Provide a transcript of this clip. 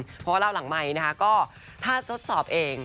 เพราะว่าเล่าหลังไมค์นะคะก็ถ้าทดสอบเอง